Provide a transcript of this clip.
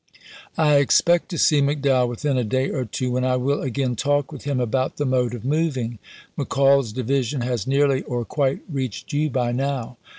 I expect to see McDowell within a day or two, when I will again talk with him about the mode of moving. McCall's division has nearly or quite reached you by now.